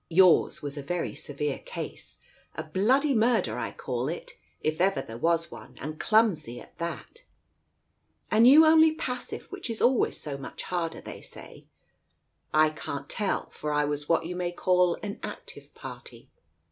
Yours was a very severe case ! A bloody murder, I call it, if ever there was one, and clumsy at that ! And you only passive, which is always so much harder, they say 1 I can't tell, for I was what you may call an active party.